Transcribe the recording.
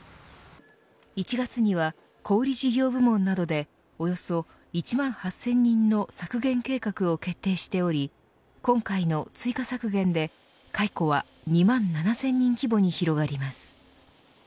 １月には小売事業部門などでおよそ１万８０００人の削減計画を決定しており今回の追加削減で解雇は２万７０００人規模に広がります。